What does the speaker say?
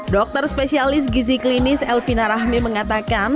dokter spesialis gizi klinis elvina rahmi mengatakan